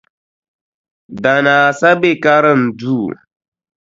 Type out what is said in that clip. Danaa sa be karinduu.